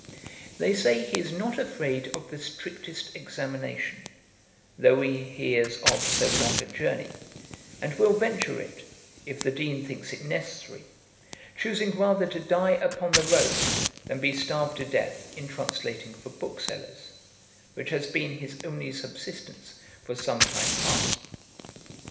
They say he is not afraid of the strictest examination, though he is of so long a journey; and will venture it, if the Dean thinks it necessary; choosing rather to die upon the road, than be starved to death in translating for booksellers; which has been his only subsistence for some time past.